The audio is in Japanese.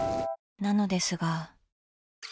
なのですが。